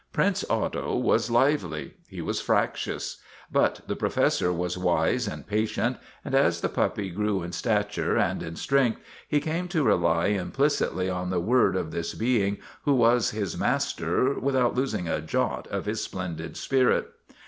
Prince Otto was lively; he was fractious. But the Professor was wise and patient, and as the puppy grew in stature and in strength he came to rely im i 3 2 STRIKE AT TIVERTON MANOR plicitly on the word of this being who was his master, without losing a jot of his splendid spirit.